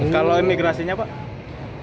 kalau imigrasinya pak